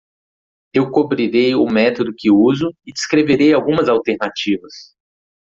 Eu cobrirei o método que uso e descreverei algumas alternativas.